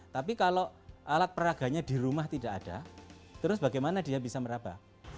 tapi kalau alat peraganya di rumah tidak ada terus bagaimana dia bisa meraba